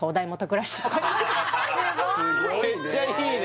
すごいめっちゃいいね